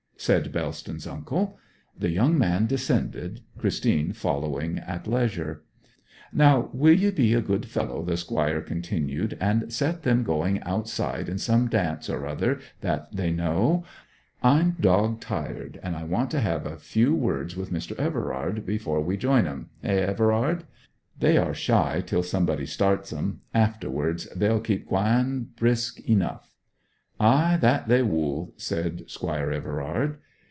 said Bellston's uncle. The young man descended, Christine following at leisure. 'Now will ye be a good fellow,' the Squire continued, 'and set them going outside in some dance or other that they know? I'm dog tired, and I want to have a yew words with Mr. Everard before we join 'em hey, Everard? They are shy till somebody starts 'em; afterwards they'll keep gwine brisk enough.' 'Ay, that they wool,' said Squire Everard.